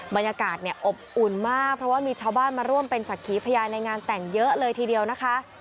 บรรยากาศเนี่ยอบอุ่นมากเพราะว่ามีชาวบ้านมาร่วมเป็นศักดิ์ขีพยานในงานแต่งเยอะเลยทีเดียวนะคะ